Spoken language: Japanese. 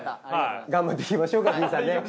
頑張っていきましょうか陣さん。